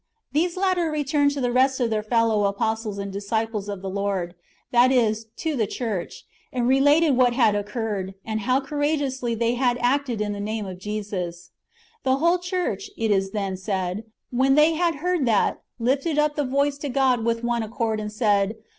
[These Latter] returned to the rest of their fellow apostles and disciples of the Lord, that is, to the church, and. related what had oc curred, and how courageously they had acted in the name of Jesus. The wdiole church, it is then said, " when they had heard that, lifted up the voice to God with one accord, and said.